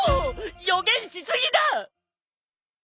予言し過ぎだ！